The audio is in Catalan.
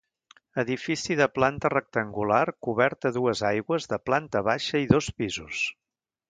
Edifici de planta rectangular cobert a dues aigües, de planta baixa i dos pisos.